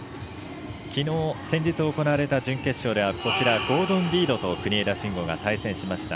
先日行われた準決勝ではゴードン・リードと国枝慎吾が対戦しました。